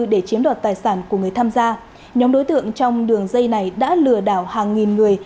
để chiếm đoạt tài sản của người tham gia nhóm đối tượng trong đường dây này đã lừa đảo hàng nghìn người